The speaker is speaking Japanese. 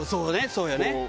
そうよね。